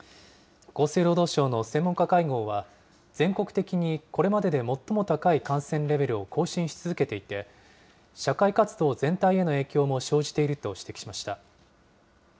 厚生労働省の専門家会合は、全国的にこれまでで最も高い感染レベルを更新し続けていて、社会活動全体への影響も生じていると指摘しました。